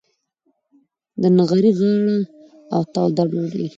د نغري غاړه او توده ډوډۍ.